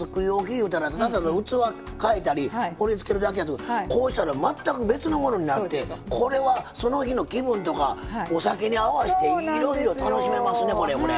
言うたら器変えたり、盛りつけるだけやとこうしたら全く別のものになってこれは、その日の気分とかお酒に合わせていろいろ楽しめますね。